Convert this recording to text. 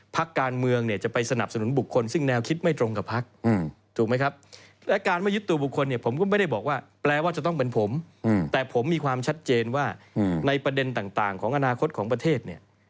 พรรคการเมืองเนี่ยจะไปสนับสนุนบุคคลซึ่งแนวคิดไม่ตรงกับพรรคถูกมั้ยครับ